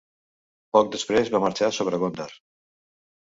Poc després va marxar sobre Gondar.